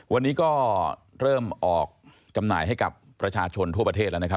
วันนี้ก็เริ่มออกจำหน่ายให้กับประชาชนทั่วประเทศแล้วนะครับ